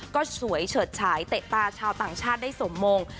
ก็สวยเฉิดฉายเตะตาชาวต่างชาติได้สมมง